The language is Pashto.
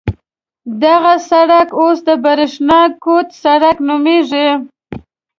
دغه سړک اوس د برېښنا کوټ سړک نومېږي.